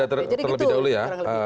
kita terlebih dahulu ya